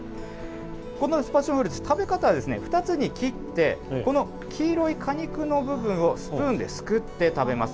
このパッションフルーツ、食べ方は、２つに切って、この黄色い果肉の部分をスプーンですくって食べます。